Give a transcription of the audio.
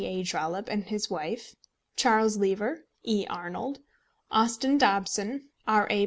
A. Trollope, and his wife, Charles Lever, E. Arnold, Austin Dobson, R. A.